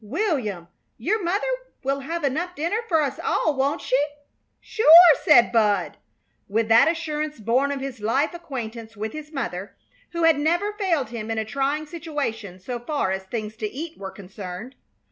"William, your mother will have enough dinner for us all, won't she?" "Sure!" said Bud, with that assurance born of his life acquaintance with his mother, who had never failed him in a trying situation so far as things to eat were concerned.